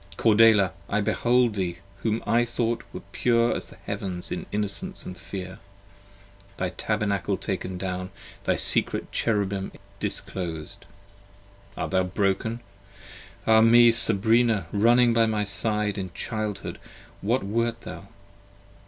Cordelia! I behold 20 Thee whom I thought pure as the heavens in innocence & fear: Thy Tabernacle taken down, thy secret Cherubim disclosed. Art thou broken? Ah me, Sabrina, running by my side: In childhood what wert thou?